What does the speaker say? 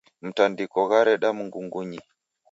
Mtandiko ghareda ngungunyi.